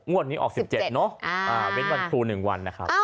วันนี้ออก๑๗เนอะเว้นวันครู๑วันนะครับ